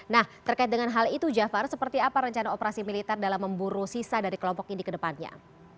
nah terkait dengan hal itu jafar seperti apa rencana operasi militer dalam memburu sisa dari kelompok ini ke depannya